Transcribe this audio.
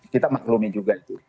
kita maklumi juga itu